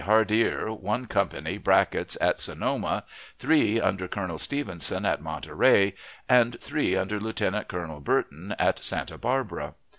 Hardier one company (Brackett's) at Sonoma; three, under Colonel Stevenson, at Monterey; and three, under Lieutenant Colonel Burton, at Santa Barbara.